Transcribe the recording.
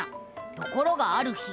ところがある日。